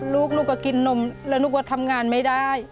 ลูกหนูก็กินนมแล้วหนูก็ทำงานไม่ได้